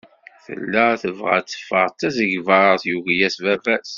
Tella tebɣa ad d-teffeɣ d tasegbart, yugi-yas baba-s.